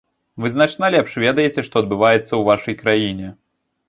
Вы значна лепш ведаеце, што адбываецца ў вашай краіне.